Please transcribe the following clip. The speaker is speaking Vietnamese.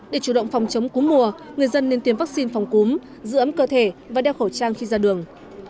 để chủ động phòng chống cúm mùa người dân nên tiêm vaccine phòng cúm giữ ấm cơ thể và đeo khẩu trang khi ra đường